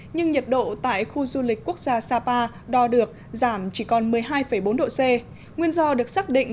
nhưng nhiệt độ tại khu du lịch quốc gia sapa đo được giảm chỉ còn một mươi hai bốn độ c nguyên do được xác định